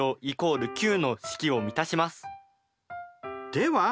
では